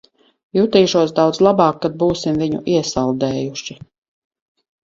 Jutīšos daudz labāk, kad būsim viņu iesaldējuši.